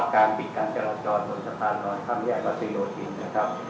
การปิดการเจราจรบนสถานนอนท่ามแยกกับเจราชินนะครับ